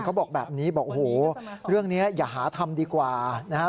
เขาบอกแบบนี้บอกโอ้โหเรื่องนี้อย่าหาทำดีกว่านะครับ